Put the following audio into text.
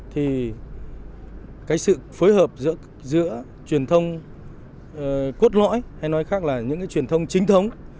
thì cái sự phối hợp giữa truyền thông quốc lõi hay nói khác là những truyền thông chính thống